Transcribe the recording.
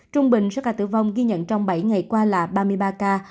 trung bình số ca tử vong ghi nhận trong bảy ngày qua là ba mươi ba ca